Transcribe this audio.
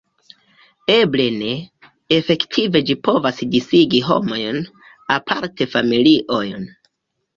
Eble ne: efektive ĝi povas disigi homojn, aparte familiojn.